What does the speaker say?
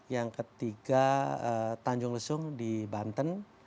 yang ketiga tanjung lesung di banten